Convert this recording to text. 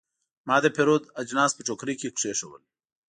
ما د پیرود اجناس په ټوکرۍ کې کېښودل.